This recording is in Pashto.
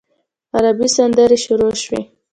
عربي سندرې شروع شوې.